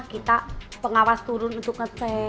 kita pengawas turun untuk ngecek